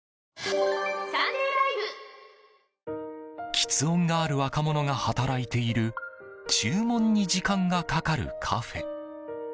吃音がある若者が働いている注文に時間がかかるカフェ。